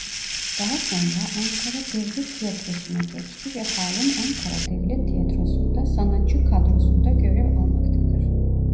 Daha sonra Ankara Devlet Tiyatrosu'na geçti ve halen Ankara Devlet Tiyatrosu'nda sanatçı kadrosunda görev almaktadır.